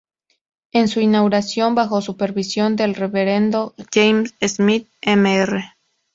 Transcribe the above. En su inauguración, bajo supervisión del Reverendo James Smith, Mr.